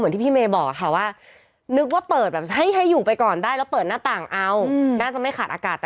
เหมือนที่พี่เมบอร์ว่า